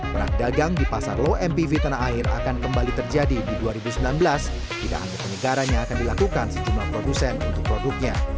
perang dagang di pasar low mpv tanah air akan kembali terjadi di dua ribu sembilan belas tidak hanya penyegaran yang akan dilakukan sejumlah produsen untuk produknya